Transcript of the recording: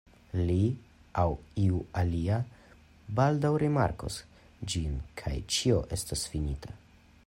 Li aŭ iu alia baldaŭ rimarkos ĝin, kaj ĉio estos finita.